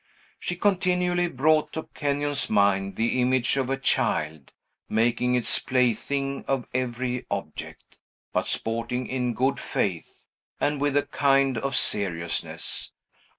She continually brought to Kenyon's mind the image of a child, making its plaything of every object, but sporting in good faith, and with a kind of seriousness.